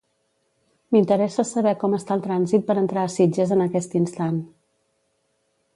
M'interessa saber com està el trànsit per entrar a Sitges en aquest instant.